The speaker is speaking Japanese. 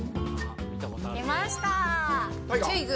出ました。